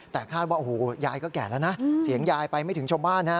แต่คาดว่าโอ้โหยายก็แก่แล้วนะเสียงยายไปไม่ถึงชาวบ้านฮะ